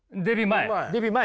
デビュー前。